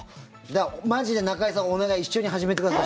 マジで中居さん、お願い一緒に始めてください。